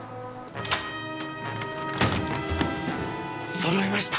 揃いました。